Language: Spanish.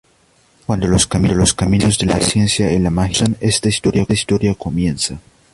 Cuando los caminos de la ciencia y la magia se cruzan, esta historia comienza.